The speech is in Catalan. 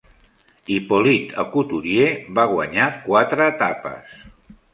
Hippolyte Aucouturier va guanyar quatre etapes.